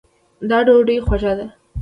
دا ډوډۍ خوږه ده